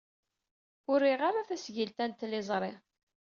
Ur riɣ ara tasgilt-a n tliẓri.